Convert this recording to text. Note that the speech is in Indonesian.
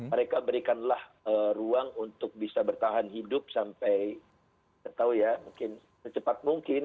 mereka berikanlah ruang untuk bisa bertahan hidup sampai kita tahu ya mungkin secepat mungkin